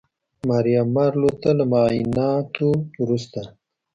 ماریا مارلو ته له معاینانو وروسته